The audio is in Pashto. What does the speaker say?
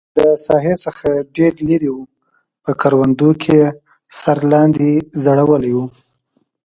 له ساحې څخه ډېر لرې و، په کروندو کې یې سر لاندې ځړولی و.